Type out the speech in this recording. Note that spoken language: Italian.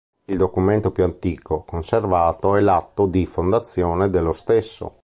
Il documento più antico conservato è l'atto di fondazione dello stesso.